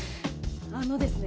あのですね